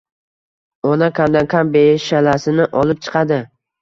Ona kamdan-kam beshalasini olib chiqadi